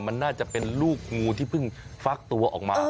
มันน่าจะเป็นลูกงูที่เพิ่งฟักตัวออกมา